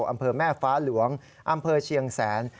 อำเภอแม่ฟ้าหลวงอำเภอเชียงแสน